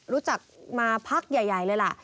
รู้จักมาพักใหญ่เลยล่ะ